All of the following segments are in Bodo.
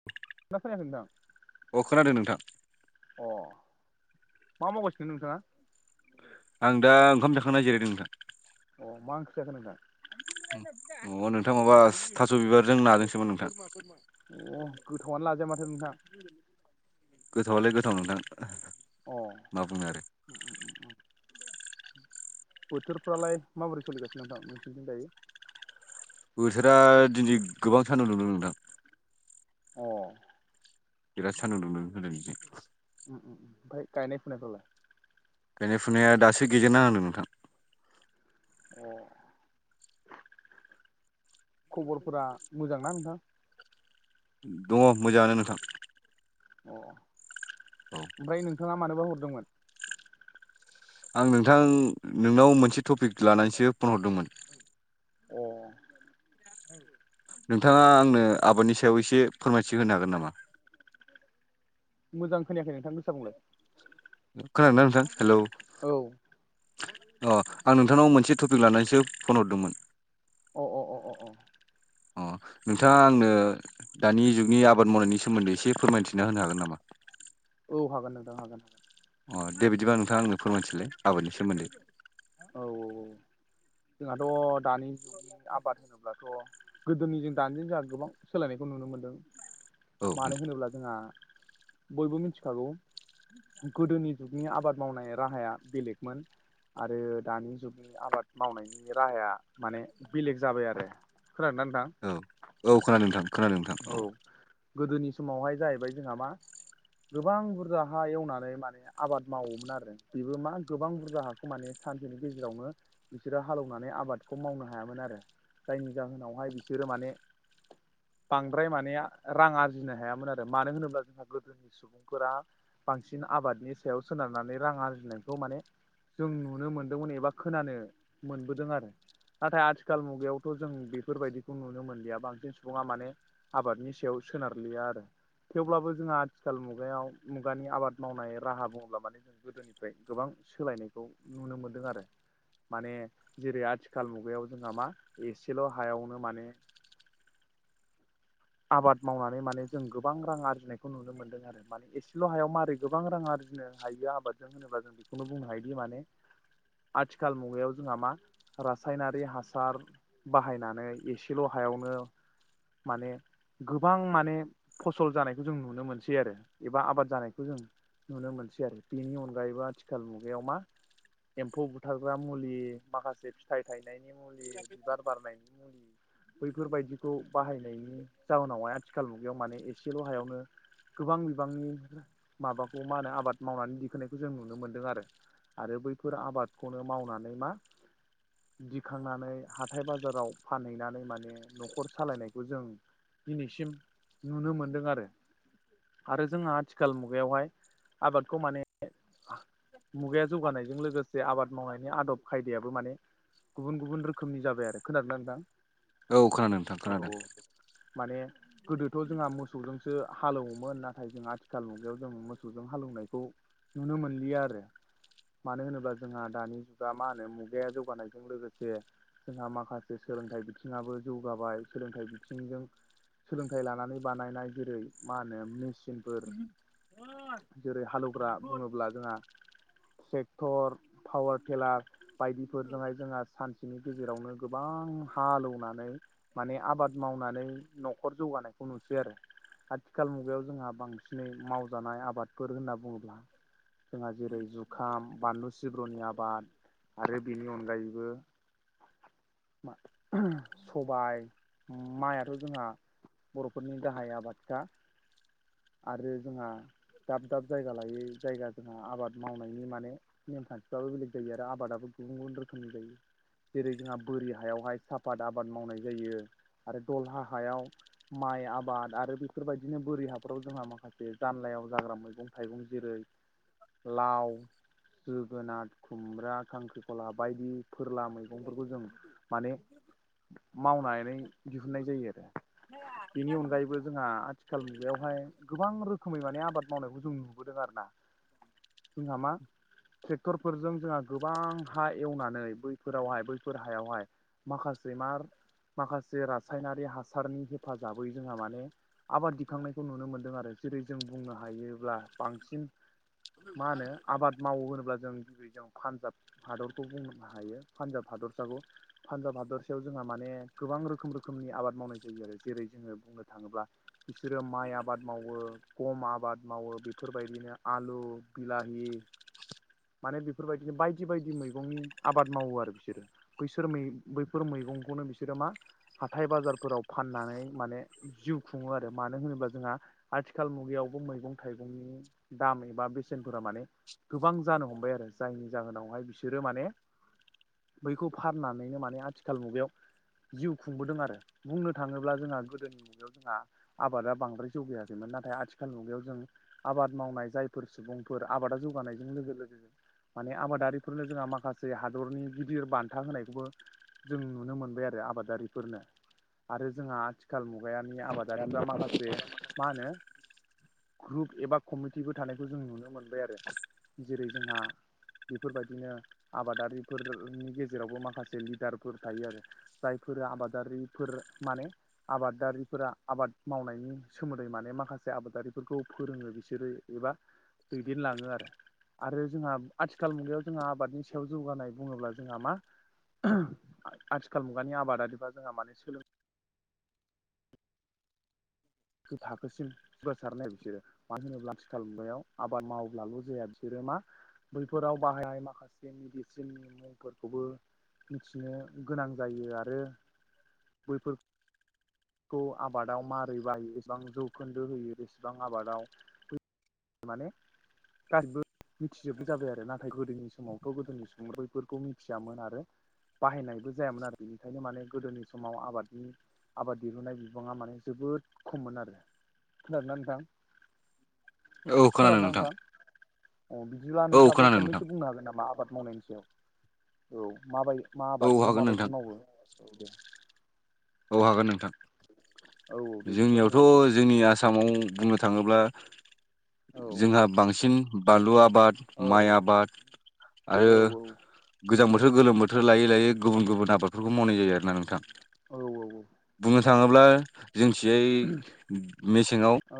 [inaudible] ना खोनायाखैदां [unintelligible] अ खोनादों नोंथां अ मा मावगासिनो नोंथांङा? आं दा ओंखाम जाखांना जिरायदों नोंथां अ मा ओंख्रि जाखो नोंथां? अ नोंथां माबा थास' बिबारजों नाजोंसोमोन नोंथां अ गोथावानो लाजाया माथो नोंथां गोथावआलाय गोथाव नोंथां मा बुंनो आरो उ उ उ उ [unintelligible] बोथोरफ्रालाय माबोरै सोलिगासिनो नोंथां नोंसोरनिथिं दायो? बोथोरा दिनै गोबां सानदुं दुंदों नोंथां अ बिराद सान्दुं दुंदों होनदों बिदि उम उम ओमफ्राय गायनाय फुनायफ्रालाय? गायनाय फुनाया दासो गेजेर नांहांदों नोंथां अ खबरफोरा मोजांना नोंथां? दंङ मोजांङानो नोंथां अ औ ओमफ्राय नोंथांङा मानोबा हरदोंमोन? आं नोंथां नोंनाव मोनसे टपिक लानानैसो फन हरदोंमोन अ नोंथांङा आंनो आबादनि सायाव एसे फोरमायथि होनो हागोन नामा? मोजां खोनायाखै नोंथां गोसा बुंलाय खोनादोंना नोंथां हेलौ औ अ आं नोंथांनाव मोनसे टपिक लानानैसो फन हरदोंमोन अ अ अ अ अ अ नोंथाङा आंनो दानि जुगनि आबाद मावनायनि सोमोन्दै एसे फोरमायथिना होनो हागोन नामा औ हागोन नोंथां हागोन अ दे बिदिबा नोंथाङा आंनो फोरमायथिलाय आबादनि सोमोन्दै औ औ औ जोंहाथ' दानि आबाद होनोब्लाथ' गोदोनि जों दानिजों जोंहा गोबां सोलायनायखौ नुनो मोन्दों औ मानो नोंथां होनोब्ला जोंहा बयबो मिनथिखागौ गोदोनि जुगनि आबाद मावनाय राहाया बेलेगमोन आरो दानि जुगनि आबाद मावनायनि राहाया माने बेलेग जाबाय आरो खोनादोंना नोंथां औ औ खोनादों नोंथां खोनादों नोंथां औ गोदोनि समावहाय जाहैबाय जोंहा मा गोबां बुरजा हा एवनानै माने आबाद मावोमोन आरो बेबो मा गोबां बुरजा हाखौ माने सानसेनि गेजेरावनो बिसोरो हालेवनानै आबादखौ मावनो हायामोन आरो जायनि जाहोनावहाय बिसोरो माने बांद्राय माने रां आरजिनो हायामोन आरो मानो होनोब्ला जोंहा गोदोनि सुबुंफोरा बांसिन आबादनि सायाव सोनारनानै रां आरजिनायखौ माने जों नुनो मोनदोंमोन एबा खोनानो मोनबोदों आरो नाथाय आथिखाल मुगायावथ' जों बेफोरबायदिखौ नुनो मोनलिया बांसिन सुबुङा माने आबादनि सायाव सोनारलिया आरो थेवब्लाबो जोंहा आथिखाल मुगायाव मुगानि आबाद मावनाय राहा बुङोब्ला माने गोदोनिफ्राय गोबां सोलायनायखौ नुनो मोनदों आरो माने जेरै आथिखाल मुगायाव जोंहा मा एसेल' हायावनो माने आबाद मावनानै माने जों गोबां रां आरजिनायखौ नुनो मोनदों आरो माने एसेल' हायाव मारै गोबां रां आरजिनो हायो आबादजों होनोब्ला जों बेखौनो बुंनो हायोदि माने आथिखाल मुगायाव जोंहा मा रासायनारि हासार बाहायनानै एसेल' हायावनो माने गोबां माने फसल जानायखौ जों नुनो मोनसै आरो एबा आबाद जानायखौ जों नुनो मोनसै आरो बेनि अनगायैबो आथिखाल मुगायाव मा एम्फौ बुथारग्रा मुलि माखासे फिथाइ थाइनायनि मुलि बिबार बारनायनि मुलि बैफोरबायदिखौ बाहायनायनि जाउनावहाय आथिखाल मुगायाव माने एसेल' हायावनो गोबां बिबांनि माबाखौ मा होनो आबाद मावनानै दिखोनायखौ जों नुनो मोनदों आरो आरो बैफोर आबादखौनो मावनानै मा दिखांनानै हाथाइ बाजाराव फानहैनानै माने न'खर सालायनायखौ जों दिनैसिम नुनो मोनदों आरो आरो जोंहा आथिखाल मुगायावहाय आबादखौ माने मुगाया जौगानायजों लोगोसे आबाद मावनायनि आदब खायदायाबो माने गुबुन गुबुन रोखोमनि जाबाय आरो खोनादोंना नोंथां औ खोनादों नोंथां औ खोनादों औ माने गोदोथ' जोंहा मोसौजोंसो हालौवोमोन नाथाय जोंहा आथिखाल मुगायाव जों मोसौजों हालौवनायखौ नुनो मोनलिया आरो मानो होनोब्ला जोंहा दानि जुगा मा होनो मुगाया जौगानायजों लोगोसे जोंहा माखासे सोलोंथाइ बिथिङाबो जौगाबाय सोलोंथाइ बिथिं जों सोलोंथाइ लानानै बानायनाय जेरै मा होनो मेसिनफोर जेरै हालेवग्रा बुङोब्ला जोंहा ट्रेक्टर पावार टेलार बायदिफोरजोंहाय जोंहा सानसेनि गेजेरावनो गोबां हालेवनानै माने आबाद मावनानै न'खर जौगानायखौ नुसै आरो आथिखाल मुगायाव जोंहा बांसिनै मावजानाय आबादफोर होनना बुङोब्ला जोंहा जेरै जुखाम बानलु सिब्रनि आबाद। आरो बिनि अनगायैबो, [unintelligible] सबाय। माइआथ' जोंहा बर'फोरनि गाहाय आबाद खा। आरो जोंहा दाब दाब जायगा लायै जायगा जोंहा आबाद मावनायनि माने नेमखान्थिफ्राबो बेलेग जायो आरो आबादाबो गुबुन गुबुन रोखोमनि जायो। जेरै जोंहा बोरि हायावहाय साफाद आबाद मावनाय जायो आरो दलहा हायाव माइ आबाद आरो बेफोरबायदिनो बोरि हा न'खराव जोंहा माखासे जानलायाव जाग्रा मैगं थाइगं जेरै लाव, जोगोनार, खुमब्रा, खांख्रिखला बायदि फोरला मैगंफोरखौ जों माने मावनानै दिहुननाय जायो आरो बिनि अनगायैबो जोंहा आथिखालनि बेयावहाय गोबां रोखोमै माने आबाद मावनायखौ जों नुबोदों आरो ना जोंहा मा ट्रेक्टरफोरजों जोंहा गोबां हा एवनानै बैफोरावहाय बैफोर हायावहाय माखासे मार माखासे रासायनारि हासारनि हेफाजाबै जोंहा माने आबाद सुखांनायखौ नुनो मोन्दों आरो जेरै जों बुंनो हायोब्ला बांसिन मा होनो आबाद मावो होनोब्ला जों जै जों पान्जाब हादरखौ बुंनो हायो पान्जाब हादरसाखौ पान्जाब हादरसायाव जोंहा माने गोबां रोखोम रोखोमनि आबाद मावनाय जायो आरो जेरै जोङो बुंनो थाङोब्ला बिसोरो माइ आबाद मावो। गम आबाद मावो बेफोरबायदिनो आलु बिलाहि माने बेफोरबायदिनो बायदि बायदि मैगंनि आबाद मावो आरो बिसोरो। बैसोर मै बैफोर मैगंखौनो बिसोरो मा? हाथाय बाजारफोराव फाननानै माने जिउ खुङो आरो। मानो होनोब्ला जोंहा आथिखाल मुगायावबो मैगं थाइगंनि दाम एबा बेसेनफोरा माने गोबां जानो हमबाय आरो जायनि जाहोनावहाय बिसोरो माने बैखौ फाननानैनो माने आथिखाल मुगायाव जिउ खुंबोदों आरो बुंनो थाङोब्ला जोंहा गोदोनि मुगायाव जोंहा आबादा बांद्राय जौगायाखैमोन नाथाय आथिखाल मुगायाव जों आबाद मावनाय जायफोर सुबुंफोर आबादा जौगानायजों लोगो लोगो माने आबादारिफोरनो जोंहा माखासे हादरनि गिदिर बान्था होनायखौबो जों नुनो मोनबाय आरो आबादारिफोरनो आरो जोंहा आथिखाल मुगायानि फ्रा माखासे मा होनो ग्रुप एबा कमिटिबो थानायखौ जों नुनो मोनबाय आरो जेरै जोंहा बेफोरबायदिनो आबादारिफोरनि गेजेरावबो माखासे लिडारफोर थायो आरो। जायफोरा आबादारिफोर माने आबादारिफोरा आबाद मावनायनि सोमोन्दै माने माखासे आबादारिफोरखौ फोरोङो बिसोरो एबा दैदेनलाङो आरो। आरो जोंहा आथिखाल मुगायाव जोंहा आबादनि सायाव जौगानाय बुङोब्ला जोंहा मा? [unintelligible] आथिखाल मुगानि आबादारिफ्रा जोंहा माने सोलों गो थाखोसिम गोसारनाय बिसोरो मानो होनोब्ला आथिखाल मुगायाव आबाद मावब्लाबो जाया बिसोरो मा बैफोराव बाहायनाय माखासे मेडिसिननि मुंफोरखौबो मिथिनो गोनां जायो आरो बैफोर खौ आबादाव मारै बायो एसेबां जौखोन्दो होयो बेसेबां आबादाव माने गासिबो मिथिजोबबो जाबाय आरो नाथाय गोदोनि समाव गोदोनि सुबुं बैफोरखौ मिथियामोन आरो बाहायनायबो जायामोन आरो बेनिखायनो माने गोदोनि समाव आबादनि आबाद दिहुननाय बिबाङा माने जोबोद खममोन आरो खोनादोंना नोंथां? औ खोनादों खोनादोंना नोंथां अ बिदिब्ला औ नोंथाङाबो खोनादों नोंथां फंनैसो बुंनो हागोन नामा आबाद मावनायनि सायाव? औ माबाय मा औ आबादखौ हागोन नोंथां माबायदि मावो औ दे औ हागोन नोंथां औ औ दे बिदिबा बुंलाय जोंनियावथ' जोंनि आसामाव बुंनो थाङोब्ला औ जोंहा बांसिन बानलु आबाद औ माइ आबाद आरो औ औ गोजां बोथोर गोलोम बोथोर लायै लायै गुबुन गुबुन आबादफोरखौ मावनाय जायो आरोना नोंथां औ औ बुंनो थाङोब्ला जोंथियै मेसेङाव औ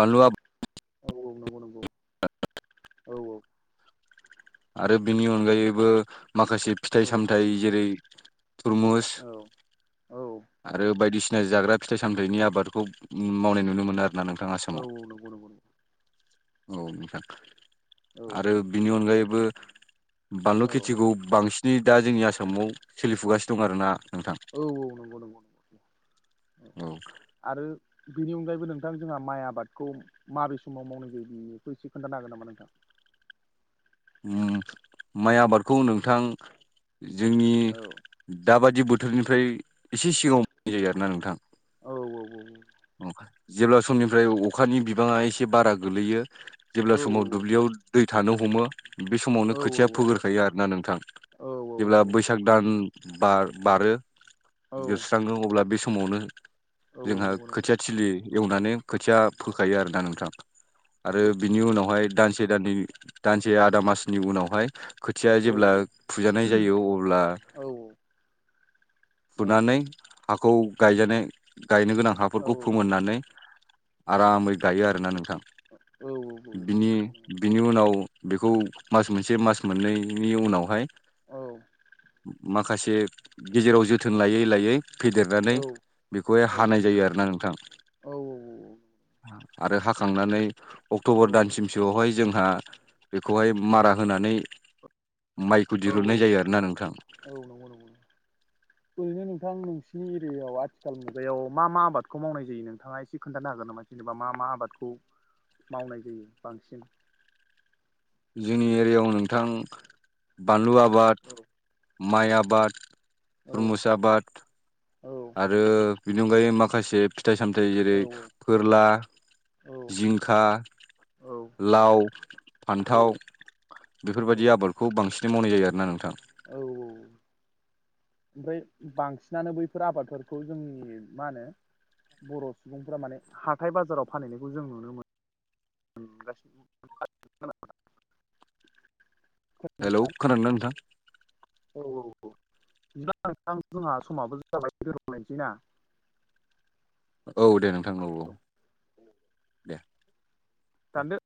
बानलुआ औ -औ नंगौ -नंगौ। औ औ। औ आरो बेनि अनगायैबो माखासे औ फिथाइ -सामथाइ जेरै तुरमुस औ औ आरो बायदिसिना जाग्रा फिथाइ -सामथायनि आबादखौ मावनाय नुनो मोनो आरो। ना नोंथां औ आसामाव नंगौ नंगौ नंगौ औ नोंथां औ आरो बिनि अनगायैबो बानलु औ खेथिखौ बांसिन नै दा जोंनि आसामाव सोलिफुगासिनो दं आरोना नोंथां। औ औ नंगौ नंगौ। औ। आरो बेनि अनगायैबो नोंथां जोंहा माइ आबादखौ माबे समाव मावनाय जायो बेखौ एसे खोन्थानो हागोन नामा नोंथां? उम माइ आबादखौ नोंथां जोंनि औ दाबादि बोथोरनिफ्राय एसे सिगाङाव मोननाय जायो आरोना नोंथां। औ औ औ। जेब्ला समनिफ्राय अखानि बिबाङा एसे बारा गोगलैयो जेब्ला औ औ समाव दुब्लियाव दै थानो हमो बे समावनो औ खोथिया फोगोरखायो आरोना नोंथां। औ जेब्ला बैसाग दान बा -बारो औ जोबस्राङो अब्ला बे समावनो औ जोंहा नंगौ नंगौ खोथिया थिलि एवनानै खोथिया फोखायो आरो ना नोंथां। आरो बिनि उनावहाय दानसे दाननै दानसे आदा मासनि उनावहाय खोथिया औ जेब्ला फुजानाय जायो अब्ला औ फुनानै हाखौ गायजानाय गायनो गोनां हा औ [unintelligible] औ फोमोननानै आरामै गायो आरोना नोंथां बिनि बिनि उनाव बेखौ मास मोनसे मास मोननैनि उनावहाय माखासे गेजेराव जोथोन लायै -लायै फेदेरनानै बेखौहाय हानाय औ जायो आरो। ना नोंथां आरो हाखांनानै अक्ट'बर दानसिमसोआवहाय जोंहा बेखौहाय मारा होनानै माइखौ दिरूननाय जायो आरोना नोंथां। औ नंगौ नंगौ। ओरैनो नोंथां नोंसिनि एरियायाव आथिखाल मुगायाव मा- मा आबादखौ मावनाय जायो नोंथाङा एसे खोन्थानो हागोन नामा? जेनेबा मा- मा आबादखौ मावनाय जायो बांसिन जोंनि एरियायाव नोंथां बानलु आबाद औ माइ आबाद, औ तुरमुस आबाद औ आरो बेनि अनगायै माखासे फिथाइ -सामथाइ जेरै औ फोरला, औ जिंखा लाव औ औ -फान्थाव औ बेफोरबायदि आबादखौ बांसिन मावनाय जायो आरोना नोंथां। औ औ। ओमफ्राय बांसिनानो बैफोर आबादफोरखौ जोंनि मा होनो बर' सुबुंफोरा माने हाथाय बाजाराव फानहैनायखौ जों नुनो मोनो। [unintelligible] हेलौ खोनादों ना नोंथां? औ औ औ बिदिबा नोंथां जोंहा समाबो जाबाय दोनथलायनोसै ना? औ दे नोंथां औ औ। [inaudible] दे दानदो